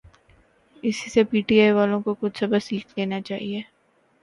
اسی سے P T I والوں کو کچھ سبق سیکھ لینا چاہیے۔